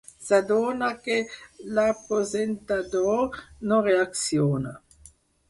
S’adona que l’aposentador no reacciona.